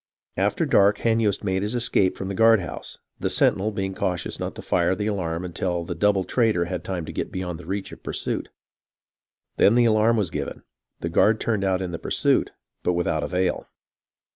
After dark Hanyost made his escape from the guard house, the sentinel being cautious not to fire the alarm until the double traitor had time to get beyond the reach of pursuit. Then the alarm was given, the guard turned out in the pursuit, but without avail.